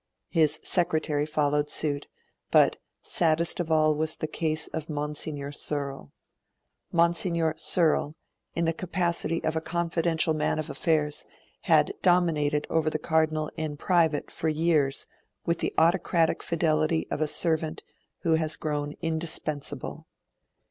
His secretary followed suit; but saddest of all was the case of Monsignor Searle. Monsignor Searle, in the capacity of confidential man of affairs, had dominated over the Cardinal in private for years with the autocratic fidelity of a servant who has grown indispensable.